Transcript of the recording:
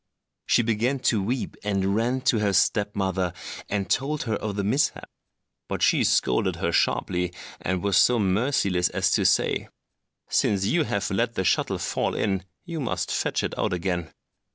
She began to weep, and ran to her step mother and told her of the mishap. But she scolded her sharply, and was so merciless as to say, "Since you have let the shuttle fall in, you must fetch it out again."